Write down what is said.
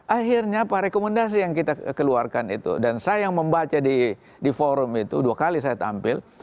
akhirnya apa rekomendasi yang kita keluarkan itu dan saya yang membaca di forum itu dua kali saya tampil